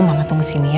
mama tunggu sini ya